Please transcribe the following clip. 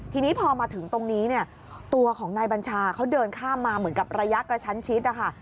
ทีนี้พอมาถึงตรงนี้เนี่ยตัวของนายบัญชาเขาเดินข้ามมาเหมือนกับระยะกระชั้นชิดนะคะ